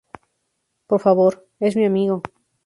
Por favor. Es mi amigo.